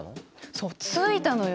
そうついたのよ。